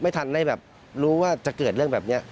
ไม่ทันได้แบบรู้ว่าจะเกิดเรื่องแบบนี้